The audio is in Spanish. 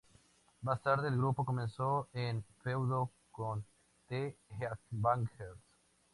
Más tarde, el grupo comenzó un feudo con The Headbangers.